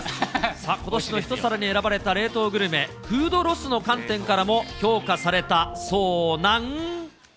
さあ、今年の一皿に選ばれた冷凍グルメ、フードロスの観点からも評価されたそうなん。